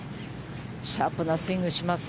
シャープなスイングをします。